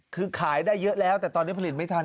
คือขายได้เยอะแล้วแต่ตอนนี้ผลิตไม่ทัน